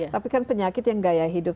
tapi kan penyakit yang gaya hidup